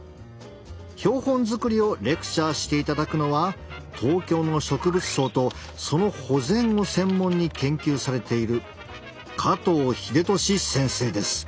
標本作りをレクチャーしていただくのは東京の植物相とその保全を専門に研究されている加藤英寿先生です。